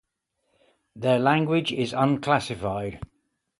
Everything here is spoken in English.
Their language is unclassified.